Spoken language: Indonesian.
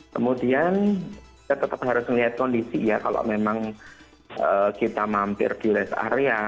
kemudian kita tetap harus melihat kondisi ya kalau memang kita mampir di rest area